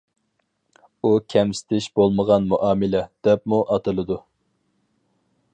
ئۇ «كەمسىتىش بولمىغان مۇئامىلە» دەپمۇ ئاتىلىدۇ.